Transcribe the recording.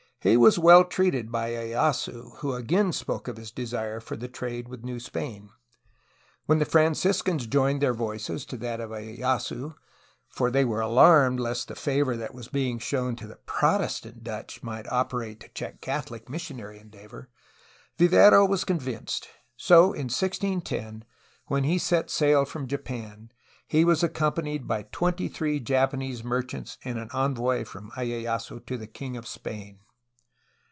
He was well treated by lyeyasu, who again spoke of his desu e for 36 A HISTORY OF CALIFORNIA the trade with New Spain. When the Franciscans joined their voices to that of lyeyasu, for they were alarmed lest the favor that was being shown to the Protestant Dutch might operate to check Catholic missionary endeavor, Vi vero was convinced. So in 1610, when he set sail from Japan, he was accompanied by twenty three Japanese merchants and an envoy from lyeyasu to the king of Spain.